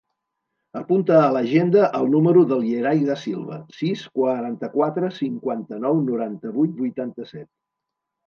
Apunta a l'agenda el número del Yeray Da Silva: sis, quaranta-quatre, cinquanta-nou, noranta-vuit, vuitanta-set.